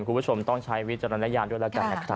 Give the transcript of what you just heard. คุณผู้ชมต้องใช้วิจารณญาณด้วยแล้วกันนะครับ